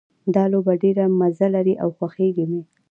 دا لوبه ډېره مزه لري او خوښیږي مې